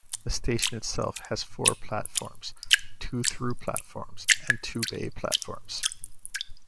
The station itself has four platforms - two through platforms and two bay platforms.